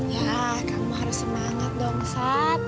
ya kamu harus semangat dong saat